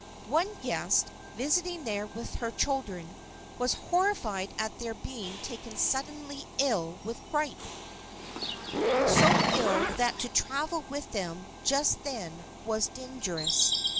One guest, visiting there with her children, was horrified at their being taken suddenly ill with grippe,—so ill that to travel with them just then was dangerous.